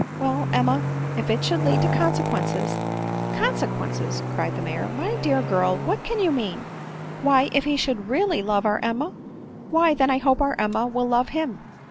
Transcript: Well, Emma, if it should lead to consequences !"" Consequences !" cried the Major ;" my dear girl r what can you mean ?"" Why, if he should recMylove our Emma ?" u Why then I hope our Emma will love him.